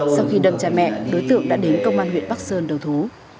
sau khi đâm cha mẹ đối tượng đã đến công an huyện bắc sơn đầu thú